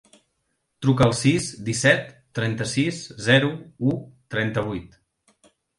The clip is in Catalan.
Truca al sis, disset, trenta-sis, zero, u, trenta-vuit.